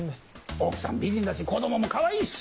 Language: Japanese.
奥さん美人だし子供もかわいいし！